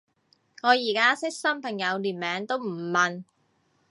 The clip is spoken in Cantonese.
我而家識新朋友連名都唔問